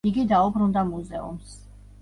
იგი დაუბრუნდა მუზეუმს.